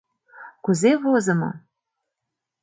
Кузе возымо?